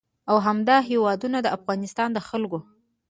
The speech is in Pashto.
او همدا هېوادونه د افغانستان د خلکو